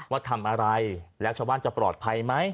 ว่าทำอะไรแล้วชาวบ้านจะปลอดภัยไหม